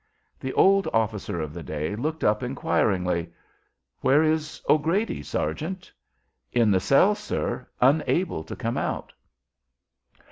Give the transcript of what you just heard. The old officer of the day looked up inquiringly: "Where is O'Grady, sergeant?" "In the cell, sir, unable to come out."